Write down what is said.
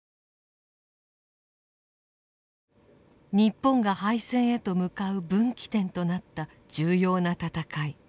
日本が敗戦へと向かう分岐点となった重要な戦い。